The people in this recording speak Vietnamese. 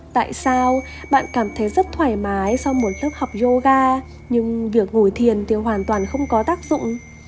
tại sao bạn cảm thấy rất thoải mái sau một lớp học yoga nhưng việc ngồi thiền thì hoàn toàn không có tác dụng